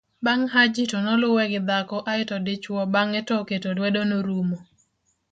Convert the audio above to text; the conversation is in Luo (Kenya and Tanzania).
bang' Haji to noluwe gi dhako aeto dichuwo bang'e to keto luedo norumo